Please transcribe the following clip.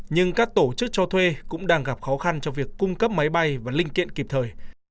nhưng các tổ chức cho thuê cũng đang gặp khó khăn cho việc cung cấp máy bay và linh kiện kịp thời